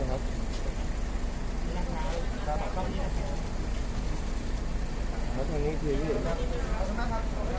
ขอบคุณครับ